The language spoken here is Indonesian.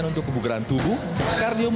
akuooh sebagai ikutan musik om